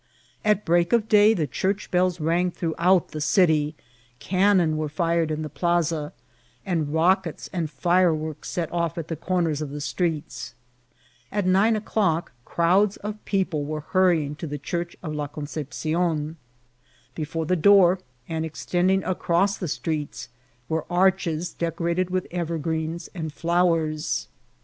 At break erf day the church bells rang TAKING THB BLACK TBIL. 211 duroughoot the city, cannon were fired in the plasa, and rockets and fireworks set off at the ccnrners of the streets. At nine o'clock crowds of people were hurry mg to the Church of Iol Concepcion; Before the door, and extending across the streets, were arches decorated with evergreens and flowers.